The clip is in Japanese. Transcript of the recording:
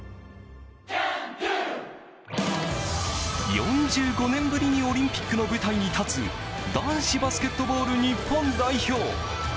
４５年ぶりにオリンピックの舞台に立つ男子バスケットボール日本代表。